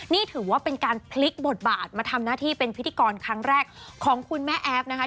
นี่ถือว่าเป็นการพลิกบทบาทมาทำหน้าที่เป็นพิธีกรครั้งแรกของคุณแม่แอฟนะคะ